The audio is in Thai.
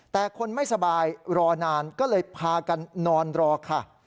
แต่คนไม่สบายรอนานก็เลยพากันนอนรอค่ะ